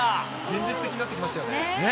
現実的になってきましたよね。